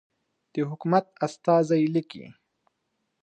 د حکومت استازی لیکي.